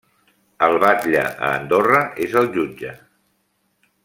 El batlle a Andorra és el jutge.